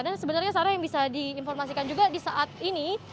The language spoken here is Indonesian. dan sebenarnya salah yang bisa diinformasikan juga di saat ini